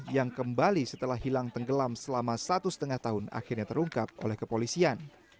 yang kembali setelah hilang tenggelam selama satu setengah tahun akhirnya terungkap oleh kepolisian